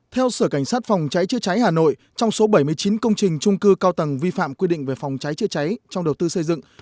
theo sở cảnh sát phòng cháy chữa cháy hà nội trong số bảy mươi chín công trình trung cư cao tầng vi phạm quy định về phòng cháy chữa cháy trong đầu tư xây dựng